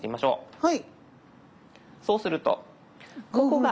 はい。